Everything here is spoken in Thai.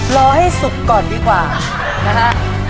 รอให้สุกก่อนดีกว่านะฮะ